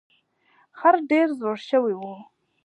خر ډیر زوړ شوی و.